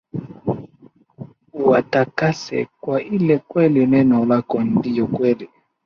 Uwatakase kwa ile kweli neno lako ndiyo kweli